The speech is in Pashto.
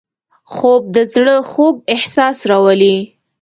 خوب د زړه خوږ احساس راولي